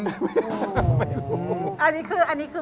ไม่รู้